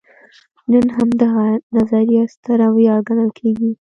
نن همدغه نظریه ستره ویاړ ګڼل کېږي.